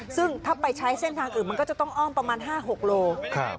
ซึ่งถ้าไปใช้เส้นทางอื่นมันก็จะต้องอ้อมประมาณ๕๖โล